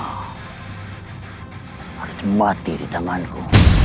harus mati di tanganku